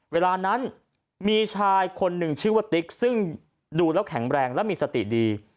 เวลานั้นมีชายคนหนึ่งชื่อว่าติ๊กซึ่งดูแล้วแข็งแรงและมีสติดี